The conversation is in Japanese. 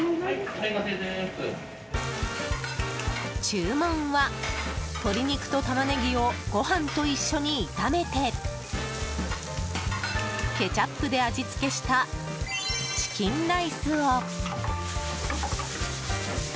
注文は、鶏肉とタマネギをご飯と一緒に炒めてケチャップで味つけしたチキンライスを。